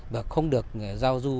và không được giao du